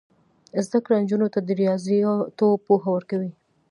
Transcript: زده کړه نجونو ته د ریاضیاتو پوهه ورکوي.